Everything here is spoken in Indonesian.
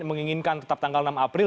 menginginkan tetap tanggal enam april